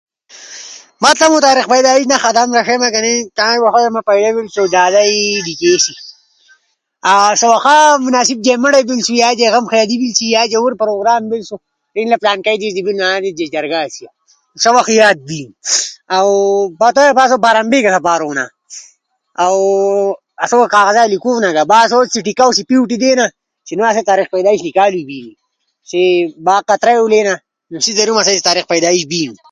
ما تمو تاریخ پیدائش نخا آدامو رݜئینا کنأ سا وخا در آدامو پیدا بینو نو آسئی دادئی لیکیسی۔ اؤ سا وخا جے مناسب مڑے بیلشی یا جے غم بیلشی یا جے ہور پروگرام بیلسو سیس در پلانکجئی جے بیلسو ہور جے جرگہ ہمنی سا آسئی تاریخ پیدائش لیکالے بیلی۔ سا وخ یاد بینو۔ اؤ پھتو کہ پاسا فارم ب سپارونا، اؤ آسو گا کاغزات لیکونا با آسو سیٹی کاؤ سی پیوٹی دینا اؤ آسو گا کاغذات لیکونو، با آسو چی با قطرہ ئی لینا سیسی ضرور تمو تاریخ پیدائش بینی۔